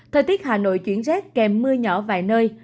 thời tiết hà nội chuyển rét kèm mưa nhỏ vài nơi